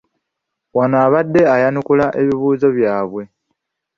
Wano abadde ayanukula ebizibu byabwe.